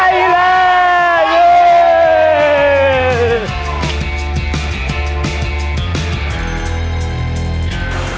เย้